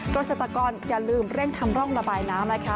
เกษตรกรอย่าลืมเร่งทำร่องระบายน้ำนะคะ